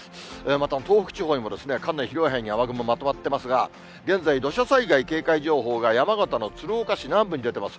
また東北地方にもかなり広い範囲に雨雲がまとまってますが、現在、土砂災害警戒情報が、山形の鶴岡市南部に出てます。